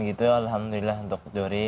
gitu alhamdulillah untuk zohri